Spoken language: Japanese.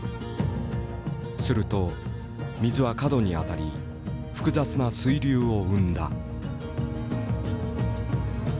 すると水は角に当たり複雑な水流を生んだ。